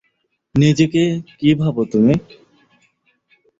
নিজেকে কি ভাবো তুমি?